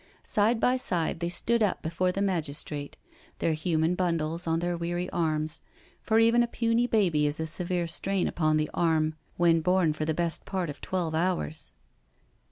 Side by side they stood up before the magistrate, their human Bundles on their weary arms, for even a puny baby is a severe strain upon the arm when borne for the best part of twelve hours.